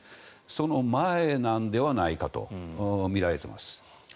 その前なのではないかとみられています。